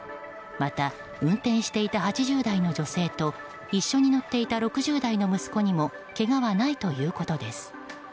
また運転していた８０代の女性と一緒に乗っていた６０代の息子にもけがはないということです。